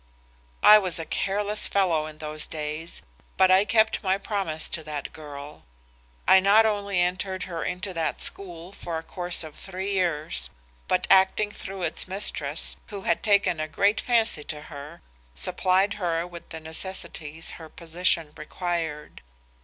"I was a careless fellow in those days but I kept my promise to that girl. I not only entered her into that school for a course of three years, but acting through its mistress who had taken a great fancy to her, supplied her with the necessities her position required.